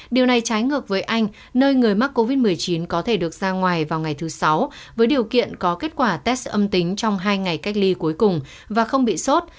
điều này trái ngược với anh nơi người mắc covid một mươi chín có thể được ra ngoài vào ngày thứ sáu với điều kiện có kết quả test âm tính trong hai ngày cách ly cuối cùng và không bị sốt